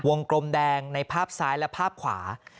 กลมแดงในภาพซ้ายและภาพขวา